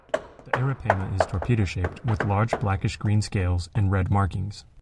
The arapaima is torpedo-shaped with large blackish-green scales and red markings.